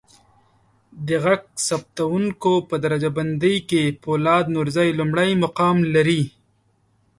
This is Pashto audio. د ږغ ثبتکوونکو په درجه بندی کې فولاد نورزی لمړی مقام لري.